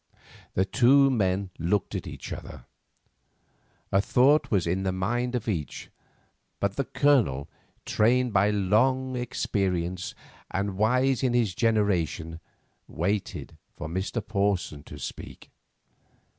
The two men looked at each other. A thought was in the mind of each; but the Colonel, trained by long experience, and wise in his generation, waited for Mr. Porson to speak.